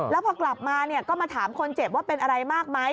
แล้วพอกลับมาก็มาถามคนเจ็บว่าเป็นอะไรมากไหม